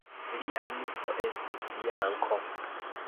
Lia amiko estis Janko.